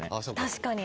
確かに。